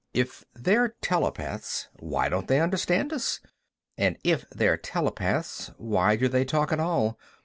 "If they're telepaths, why don't they understand us? And if they're telepaths, why do they talk at all?